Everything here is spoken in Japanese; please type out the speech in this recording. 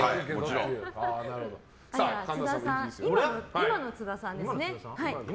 今の津田さんですね。